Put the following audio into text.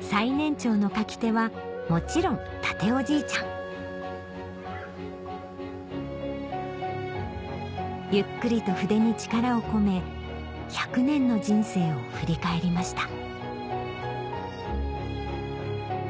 最年長の書き手はもちろん健夫じいちゃんゆっくりと筆に力を込め１００年の人生を振り返りました